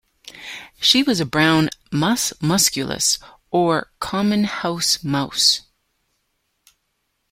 She was a brown "Mus musculus" or common house mouse.